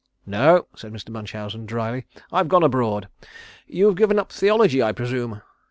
"No," said Mr. Munchausen, drily. "I've gone abroad. You've given up theology I presume?"